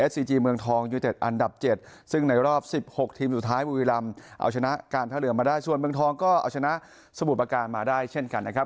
สะบุตรประการมาได้เช่นกันนะครับ